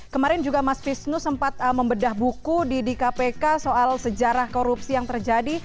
kemarin juga mas visnu sempat membedah buku di kpk soal sejarah korupsi yang terjadi